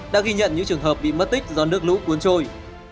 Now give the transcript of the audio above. đã ghi nhận những trường hợp bị mất tích do nước lũ cuốn trôi